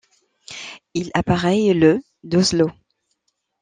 Il appareille le d'Oslo.